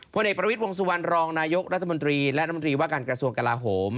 เอกประวิทย์วงสุวรรณรองนายกรัฐมนตรีและรัฐมนตรีว่าการกระทรวงกลาโหม